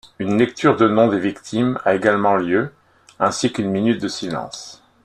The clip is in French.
Une lecture de noms des victimes a également lieu, ainsi qu'une minute de silence.